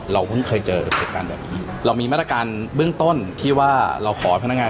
เราเพิ่งเคยเจอเหตุการณ์แบบนี้เรามีมาตรการเบื้องต้นที่ว่าเราขอพนักงาน